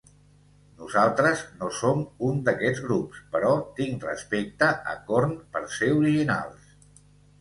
Nosaltres no som un d'aquests grups, però tinc respecte a Korn per ser originals.